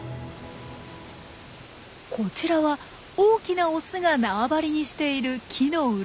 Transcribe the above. こちらは大きなオスがなわばりにしている木の洞。